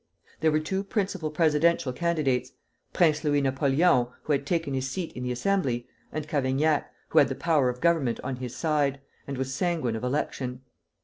There were two principal presidential candidates, Prince Louis Napoleon, who had taken his seat in the Assembly; and Cavaignac, who had the power of Government on his side, and was sanguine of election.